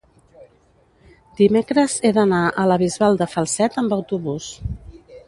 dimecres he d'anar a la Bisbal de Falset amb autobús.